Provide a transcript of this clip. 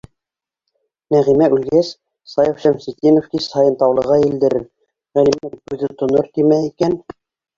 Нәғимә үлгәс, Саяф Шәмсетдинов кис һайын Таулыға елдерер, Ғәлимә тип күҙе тонор тиме икән?